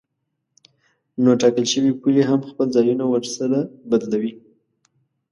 نو ټاکل شوې پولې هم خپل ځایونه ورسره بدلوي.